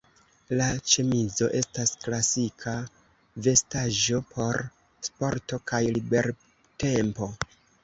La ĉemizo estas klasika vestaĵo por sporto kaj libertempo.